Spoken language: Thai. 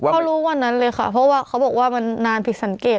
เขารู้วันนั้นเลยค่ะเพราะว่าเขาบอกว่ามันนานผิดสังเกต